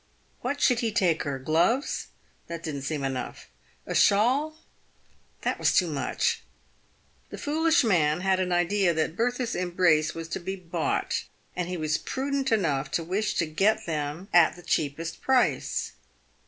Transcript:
"What should he take her ? Gloves ? That didn't seem enough. A shawl ? That was too much. The foolish man had an idea that Bertha's embrace was to be bought, and he was prudent enough to wish to get them at the cheapest price.